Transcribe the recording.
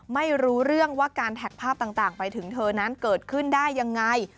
ไม่รู้เรื่องว่าการแท็กภาพต่างไปถึงเธอนั้นเกิดขึ้นได้ยังไง